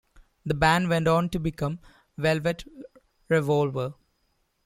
The band went on to become Velvet Revolver.